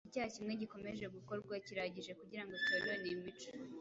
icyaha kimwe gikomeje gukorwa kirahagije kugira ngo cyonone imico